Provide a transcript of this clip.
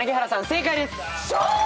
正解です。